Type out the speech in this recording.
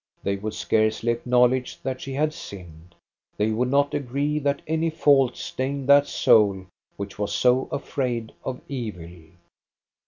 They would scarcely acknowledge that she had sinned. They would not agree that any fault stained that soul which was so afraid of evil.